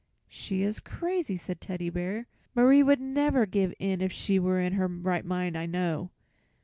"She is crazy," said Teddy Bear. "Marie would never give in if she were in her right mind, I know."